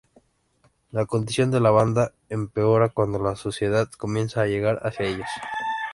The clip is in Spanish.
La condición de la banda empeora cuando la suciedad comienza a llegar hacia ellos.